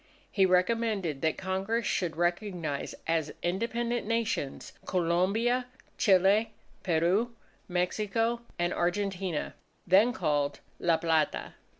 He recommended that Congress should recognize as independent Nations, Colombia, Chile, Peru, Mexico, and Argentina, then called La Plata.